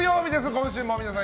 今週も皆さん